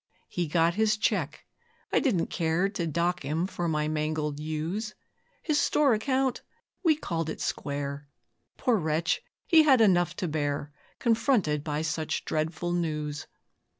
He got his cheque I didn't care To dock him for my mangled ewes; His store account we 'called it square'. Poor wretch! he had enough to bear, Confronted by such dreadful news.